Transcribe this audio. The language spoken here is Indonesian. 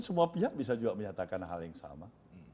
semua pihak bisa juga menyatakan hal yang sama